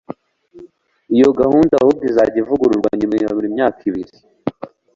iyo gahunda ahubwo izajya ivugururwa nyuma ya buri myaka ibiri